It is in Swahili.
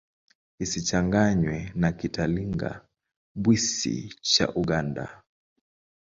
Isichanganywe na Kitalinga-Bwisi cha Uganda.